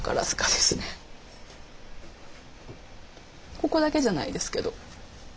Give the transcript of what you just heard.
ここだけじゃないですけど。